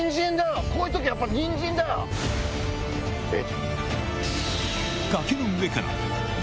えっ？